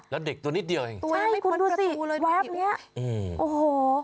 แล้วเด็กตัวนิดเดียวเองตัวใช่คุณดูสิแวบเนี้ยอืมโอ้โห